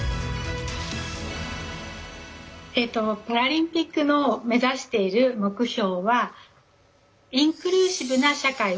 パラリンピックの目指している目標はインクルーシブな社会を作ることです。